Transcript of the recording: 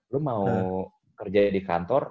lo mau kerja di kantor